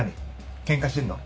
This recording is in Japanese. ケンカしてんの？